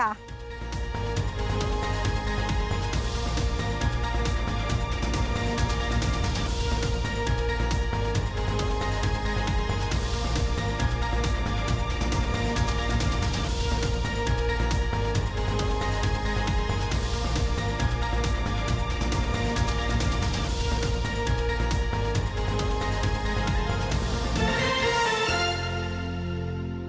สวัสดีครับ